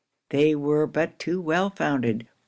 'They were but too well founded.